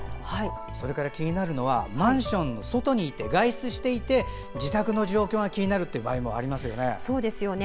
気になるのはマンションの外にいて外出していて、自宅の状況が気になる場合もありますよね。